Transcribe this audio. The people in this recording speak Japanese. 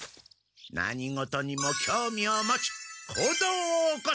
何事にもきょうみを持ち行動を起こす。